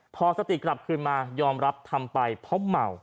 พอสติกลับคืนมายอมรับทำไปเพราะเมา